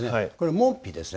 門扉ですね。